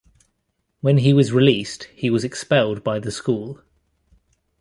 When he was released, he was expelled by the school.